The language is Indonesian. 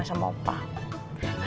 main ke rumah oma sama opa